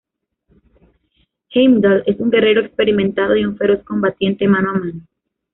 Heimdall es un guerrero experimentado y un feroz combatiente mano a mano.